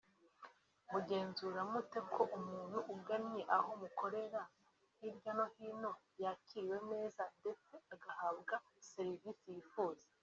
Mugenzura mute ko umuntu ugannye aho mukorera hirya no hino yakiriwe neza ndetse agahabwa serivisi yifuza